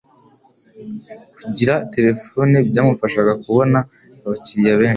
Kugira terefone byamufashaga kubona abakiriya benshi.